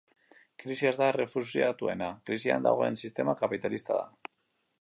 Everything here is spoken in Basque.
Krisia ez da errefuxiatuena, krisian dagoena sistema kapitalista da.